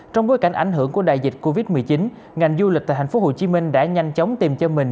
trong bối cảnh ảnh hưởng của đại dịch covid một mươi chín ngành du lịch tại tp hcm đã nhanh chóng tìm cho mình